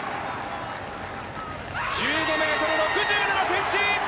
１５ｍ６７ｃｍ。